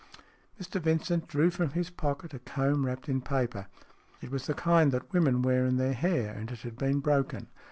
Mr Vincent drew from his pocket a comb wrapped in paper. It was of the kind that women wear in their hair, and it had been broken.